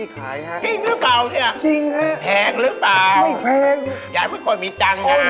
ข้างซ้ายปวด